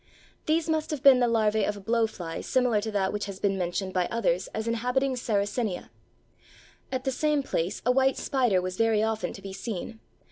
These must have been the larvæ of a blowfly similar to that which has been mentioned by others as inhabiting Sarracenia. At the same place a white spider was very often to be seen.